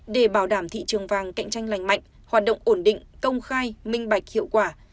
để bảo đảm thị trường vàng cạnh tranh lành mạnh hoạt động ổn định công khai minh bạch hiệu quả